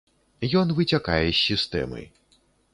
Ён выцякае з сістэмы.